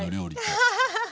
アハハハ！